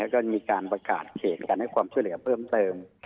แล้วก็มีการประกาศเขตการให้ความช่วยเหลือเพิ่มเติม